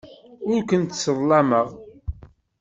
Ur kent-sseḍlameɣ.